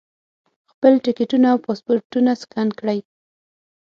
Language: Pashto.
خپل ټکټونه او پاسپورټونه سکین کړي.